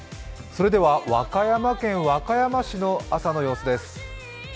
それでは和歌山県和歌山市の朝の様子です。